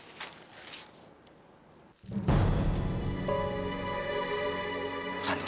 aku mau pergi ke rumah